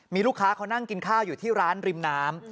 มีลูกค้าเขานั่งกินข้าวอยู่ที่ร้านริมน้ำ